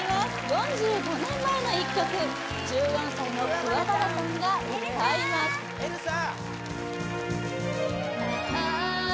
４５年前の１曲１４歳の桑原さんが歌いますエルサ！